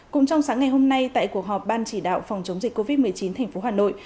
cũng trong sáng ngày hôm nay tại cuộc họp ban chỉ đạo phòng chống dịch covid một mươi chín thành phố hà nội